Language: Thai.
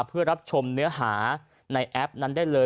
เพื่อรับชมเนื้อหาในแอปนั้นได้เลย